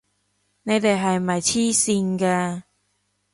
你哋係咪癡線㗎！